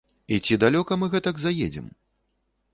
І ці далёка мы гэтак заедзем?